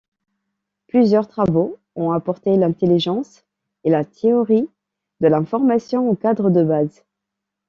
Plusieurs travaux ont apporté l'intelligence et la théorie de l'information au cadre de base.